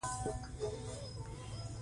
د افغاني زلمیانو سرونه تر بل څه مهم وو.